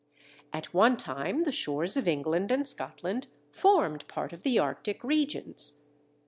At one time the shores of England and Scotland formed part of the Arctic regions.